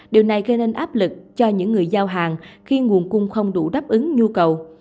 điều này gây nên áp lực cho những người giao hàng khi nguồn cung không đủ đáp ứng nhu cầu